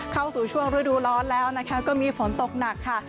เข้าสู่ช่วงฤดูร้อนแล้วนะคะก็มีฝนตกหนักค่ะ